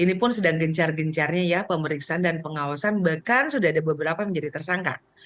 ini pun sedang gencar gencarnya ya pemeriksaan dan pengawasan bahkan sudah ada beberapa yang menjadi tersangka